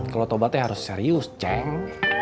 foto bat ya harus serius ceng